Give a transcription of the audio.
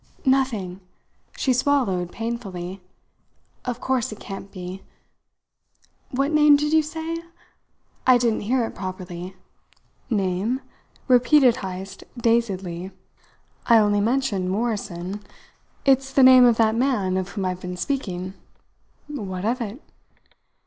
"Nothing!" She swallowed painfully. "Of course it can't be. What name did you say? I didn't hear it properly." "Name?" repeated Heyst dazedly. "I only mentioned Morrison. It's the name of that man of whom I've been speaking. What of it?"